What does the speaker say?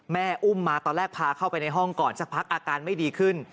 อุ้มมาตอนแรกพาเข้าไปในห้องก่อนสักพักอาการไม่ดีขึ้น